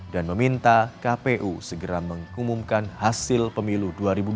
dan meminta kpu segera mengumumkan hasil pemilu dua ribu dua puluh empat